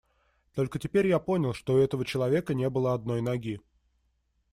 Только теперь я понял, что у этого человека не было одной ноги.